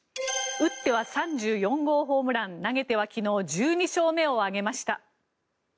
打っては３４号ホームラン投げては昨日、１２勝目を挙げました。